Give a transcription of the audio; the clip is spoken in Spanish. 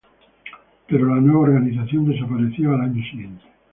Pero la nueva organización desapareció al año siguiente.